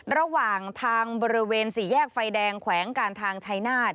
ระหว่างทางบริเวณสี่แยกไฟแดงแขวงการทางชายนาฏ